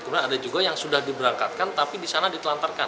kemudian ada juga yang sudah diberangkatkan tapi di sana ditelantarkan